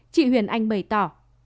chị huyền anh bày tỏ